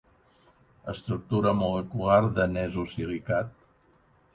Estructura molecular de nesosilicat.